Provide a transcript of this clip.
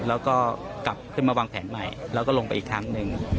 แล้วก็กลับขึ้นมาวางแผนใหม่แล้วก็ลงไปอีกครั้งหนึ่ง